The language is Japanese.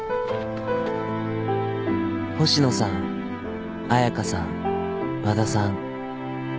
「星野さん彩佳さん和田さん。